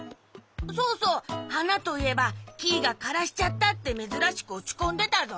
そうそうはなといえばキイが「からしちゃった」ってめずらしくおちこんでたぞ。